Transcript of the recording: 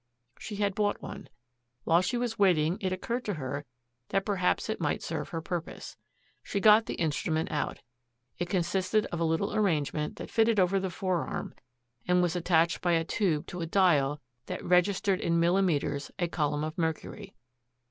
She had bought one. While she was waiting it occurred to her that perhaps it might serve her purpose. She got the instrument out. It consisted of a little arrangement that fitted over the forearm, and was attached by a tube to a dial that registered in millimeters a column of mercury.